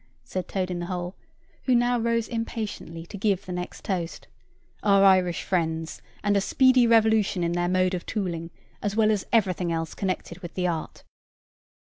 said Toad in the hole, who now rose impatiently to give the next toast: "Our Irish friends; and a speedy revolution in their mode of tooling, as well as everything else connected with the art!"